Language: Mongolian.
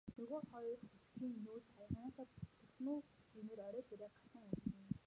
Нөгөө хоёр хөтчийн нүд аяганаасаа бүлтрэх нь үү гэмээр орой дээрээ гарсан үзэгдэнэ.